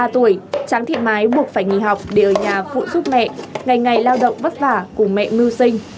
một mươi ba tuổi tráng thiện mái buộc phải nghỉ học để ở nhà phụ giúp mẹ ngày ngày lao động vất vả cùng mẹ mưu sinh